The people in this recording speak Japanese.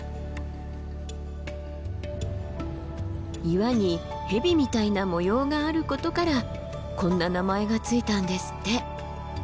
岩に蛇みたいな模様があることからこんな名前が付いたんですって。